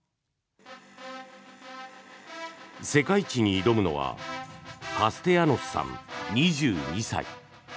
世界一に挑むのはカステヤノスさん、２２歳。